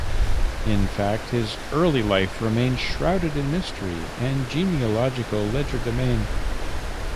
In fact, his early life remains shrouded in mystery and genealogical legerdemain.